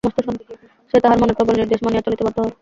সে তাহার মনের প্রবল নির্দেশ মানিয়া চলিতে বাধ্য হয়।